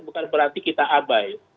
bukan berarti kita abai